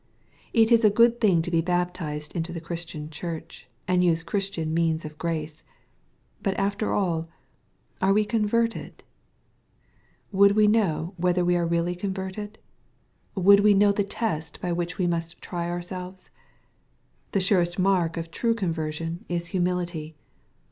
It is a good thing to be baptized into the Christian Church, and use Christian means of grace. But after all, "are we converted ?" Would we know whether we are really converted ? Would we know the test by which we must try ourselves ? The surest mark of true conversion is humility.